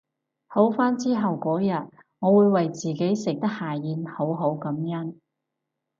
好返之後嗰日我會為自己食得下嚥好好感恩